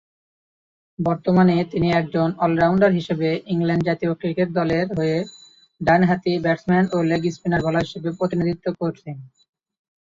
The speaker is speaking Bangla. বর্তমানে তিনি একজন অল-রাউন্ডার হিসেবে ইংল্যান্ড জাতীয় ক্রিকেট দলের হয়ে ডান-হাতি ব্যাটসম্যান ও লেগ স্পিন বোলার হিসেবে প্রতিনিধিত্ব করছেন।